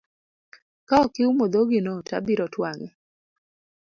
Ka ok iumo dhogi no to abiro twang'e.